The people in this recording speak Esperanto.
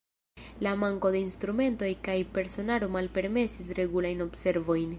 La manko de instrumentoj kaj personaro malpermesis regulajn observojn.